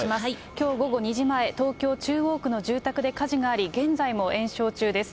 きょう午後２時前、東京・中央区の住宅で火事があり、現在も延焼中です。